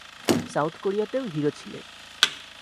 South কোরিয়াতেও hero ছিলে।